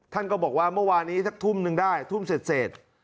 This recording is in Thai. ท่านก็บอกว่าเมื่อวานนี้ถึงถุ่มหนึ่งได้ถุ่มเศษ